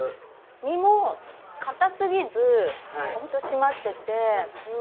身も硬過ぎずホント締まってて。